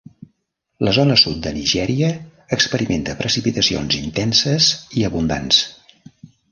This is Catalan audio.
La zona sud de Nigèria experimenta precipitacions intenses i abundants.